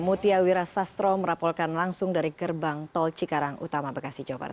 mutia wira sastro merapokan langsung dari gerbang tol cikarang utama bekasi jawa barat